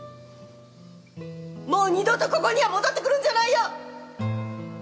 もう二度とここには戻ってくるんじゃないよ！